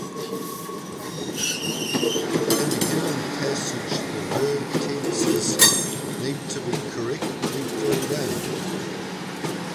In the given passage, the verb tenses need to be correctly filled in.